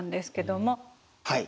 はい。